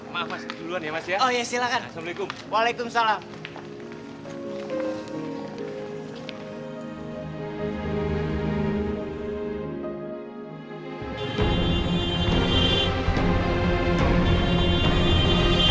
maaf mas duluan ya mas ya